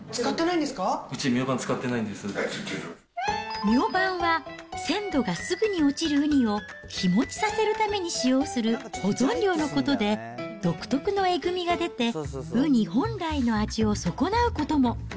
うち、ミョウバンは、鮮度がすぐに落ちるウニを、日持ちさせるために使用する、保存料のことで、独特のえぐみが出て、ウニ本来の味を損なうことも。